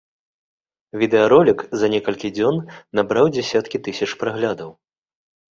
Відэаролік за некалькі дзён набраў дзясяткі тысяч праглядаў.